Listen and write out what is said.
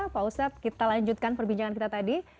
pak ustadz kita lanjutkan perbincangan kita tadi